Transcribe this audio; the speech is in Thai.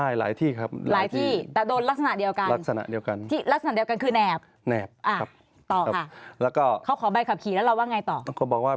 อ่าอ่าอ่าอ่า